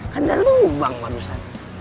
kan dari lubang manusia